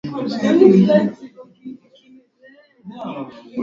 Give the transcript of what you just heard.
yaliyotokea nchini kenya baada ya uchaguzi mkuu